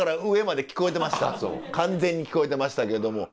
完全に聞こえてましたけども。